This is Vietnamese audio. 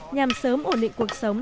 nhằm sớm ổn định cuộc sống